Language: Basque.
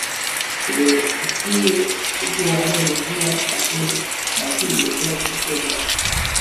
Gure ezinegonaren errua baten bati leporatzeko beharra.